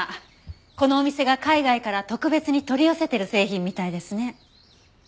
このお店が海外から特別に取り寄せてる製品みたいですね。